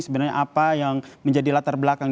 sebenarnya apa yang menjadi latar belakang